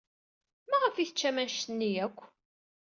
Maɣef ay teččam anect-nni akk?